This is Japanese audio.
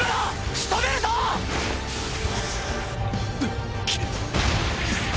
仕留めるぞ！！ッ！！